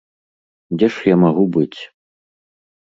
Дзе ж я магу быць?